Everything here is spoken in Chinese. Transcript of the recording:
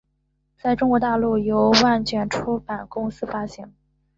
在中国大陆由万卷出版公司发行。